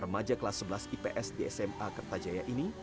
remaja kelas sebelas ips di sma kertajaya ini